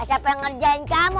siapa yang ngerjain kamu